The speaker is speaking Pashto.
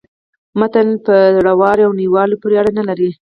متن په زوړوالي او نویوالي پوري اړه نه لري.